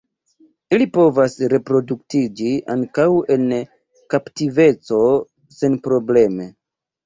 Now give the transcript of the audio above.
Ili povas reproduktiĝi ankaŭ en kaptiveco senprobleme.